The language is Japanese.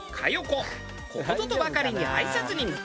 ここぞとばかりに挨拶に向かう。